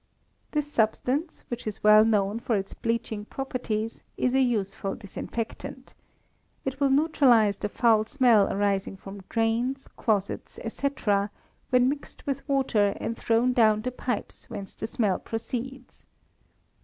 This substance, which is well known for its bleaching properties is a useful disinfectant. It will neutralise the foul smell arising from drains, closets, &c., when mixed with water and thrown down the pipes whence the smell proceeds.